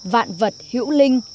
vạn vật hữu linh